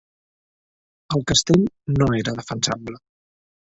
El castell no era defensable.